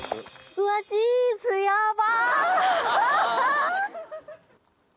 うわチーズヤバ！